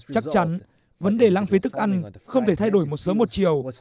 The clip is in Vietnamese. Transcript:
chắc chắn vấn đề lãng phí thức ăn không thể thay đổi một sớm một chiều